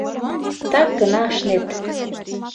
Так гына ашнет.